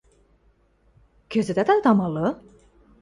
— Кӹзӹтӓт ат амалы?